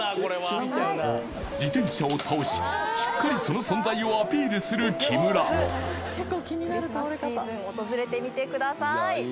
自転車を倒ししっかりその存在をアピールする木村クリスマスシーズン訪れてみてください